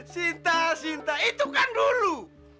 cinta sinta itu kan dulu